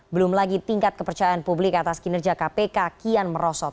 belum lagi tingkat kepercayaan publik atas kinerja kpk kian merosot